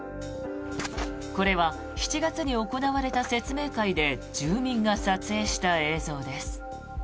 これは７月に行われた説明会で住民が撮影した映像です。